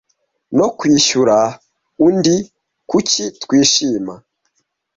No kwishyura undi! Kuki twishima